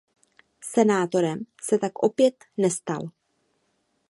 Senátorem se tak opět nestal.